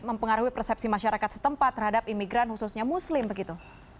mempengaruhi persepsi masyarakat setempat terhadap imigran khususnya muslim begitu